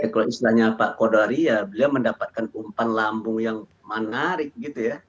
kalau istilahnya pak kodari ya beliau mendapatkan umpan lambung yang menarik gitu ya